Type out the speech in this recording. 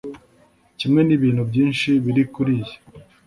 kimwe n’ibintu byinshi biri kuri iyi